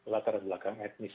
latar belakang etnis